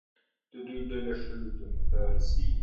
د دوی ډله شلو تنو ته رسېږي.